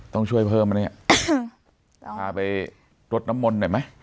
ต้องช่วยเพิ่มไหมเนี่ยพาไปรดน้ำมนต์หน่อยไหม